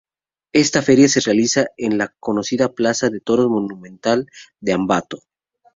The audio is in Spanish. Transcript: Esta feria se realiza en la conocida Plaza de Toros Monumental de Ambato.